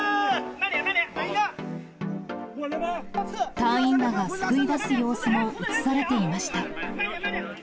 隊員らが救い出す様子も映されていました。